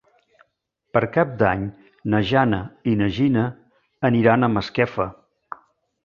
Per Cap d'Any na Jana i na Gina aniran a Masquefa.